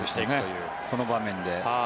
この場面で。